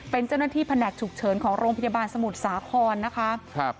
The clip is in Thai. เป็นเจ้าหน้าที่แผนกฉุกเฉินของโรงพยาบาลสมุทรสาครนะคะครับ